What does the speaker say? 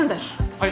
はい。